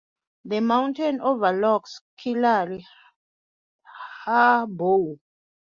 The mountain overlooks Killary Harbour.